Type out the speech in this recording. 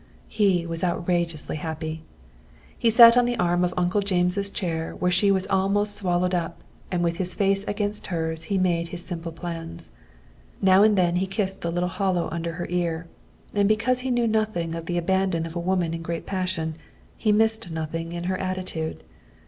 He was outrageously happy. He sat on the arm of Uncle James' chair where she was almost swallowed up, and with his face against hers he made his simple plans. Now and then he kissed the little hollow under her ear, and because he knew nothing of the abandon of a woman in a great passion he missed nothing in her attitude.